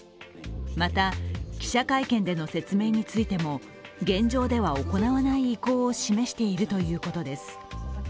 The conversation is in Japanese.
また、記者会見での説明についても現状では行わない意向を示しているということです。